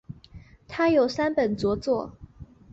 他有三本着作。